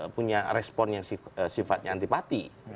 punya respon yang sifatnya antipati